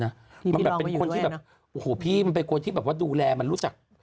มันแบบเป็นคนที่แบบโอ้โหพี่มันเป็นคนที่แบบว่าดูแลมันรู้จัก